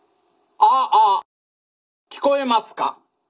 ああ聞こえますか。